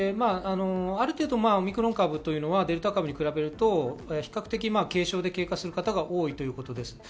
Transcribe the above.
ある程度、オミクロン株というのはデルタ株に比べると、比較的軽症で経過する方が多いということです。